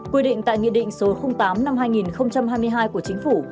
quy định tại nghị định số tám năm hai nghìn hai mươi hai của chính phủ